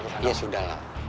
ya sudah lah